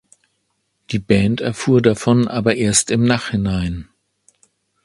Die Band erfuhr davon aber erst im Nachhinein.